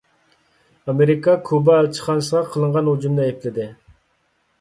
ئامېرىكا كۇبا ئەلچىخانىسىغا قىلىنغان ھۇجۇمنى ئەيىبلىدى.